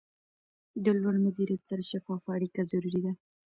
د لوړ مدیریت سره شفافه اړیکه ضروري ده.